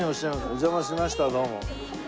お邪魔しましたどうも。